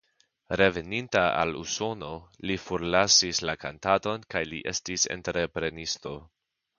Reveninta al Usono li forlasis la kantadon kaj li estis entreprenisto.